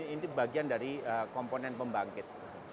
ini bagian dari komponen pembangkit